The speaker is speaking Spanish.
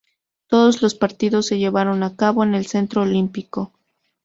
Todos los partidos se llevaron a cabo en el Centro Olímpico.